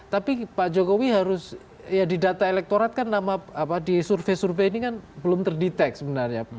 tapi pak jokowi harus ya di data elektorat kan nama apa di survei survei ini kan belum terdeteksi sebenarnya